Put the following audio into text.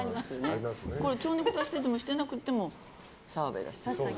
蝶ネクタイしててもしてなくても澤部だし。